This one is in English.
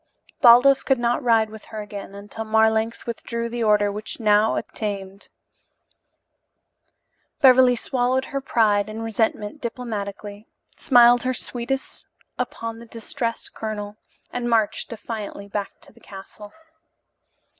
Baldos could not ride with her again until Marlanx withdrew the order which now obtained, Beverly swallowed her pride and resentment diplomatically, smiled her sweetest upon the distressed colonel, and marched defiantly back to the castle.